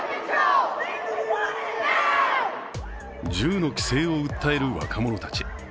銃の規制を訴える若者たち。